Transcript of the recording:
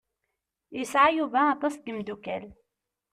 Yesɛa Yuba aṭas n yimeddukal.